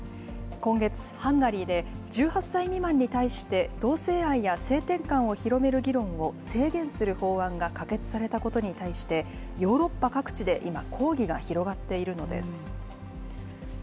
今月、ハンガリーで、１８歳未満に対して、同性愛や性転換を広める議論を制限する法案が可決されたことに対して、ヨーロッパ各地で今、抗議が広がっているのです。